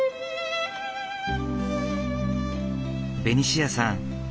ベニシアさん